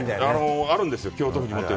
あるんですよ、京都府にも。